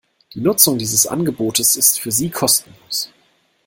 Die Nutzung dieses Angebotes ist für Sie kostenlos.